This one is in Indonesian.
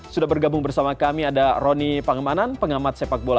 sudah bergabung bersama kami ada roni pangemanan pengamat sepak bola